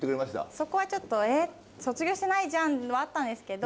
そこはちょっと「え卒業してないじゃん」はあったんですけど